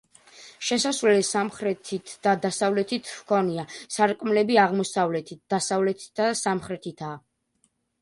შესასვლელი სამხრეთით და დასავლეთით ჰქონია, სარკმლები აღმოსავლეთით, დასავლეთით და სამხრეთითაა.